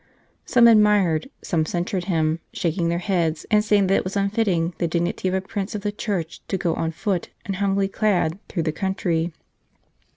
Some admired, some censured him, shaking their heads and saying that it was unfitting the dignity of a Prince of the Church to go on foot, and humbly clad, through the country.